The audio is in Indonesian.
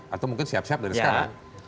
atau mungkin siap siap dari sekarang